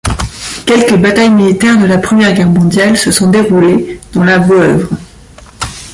Quelques batailles militaires de la Première Guerre mondiale se sont déroulées dans la Woëvre.